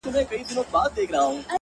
• كه راتلل به يې دربار ته فريادونه,